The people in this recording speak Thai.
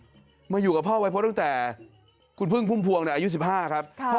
มีนักร้องลูกทุ่งดังมากมายเนี่ยผ่านการปลูกปั้นมาจากพ่อวัยพจน์เพชรสุพรณนะฮะ